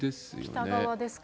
北側ですかね。